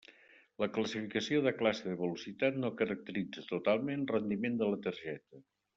La classificació de classe de velocitat no caracteritza totalment rendiment de la targeta.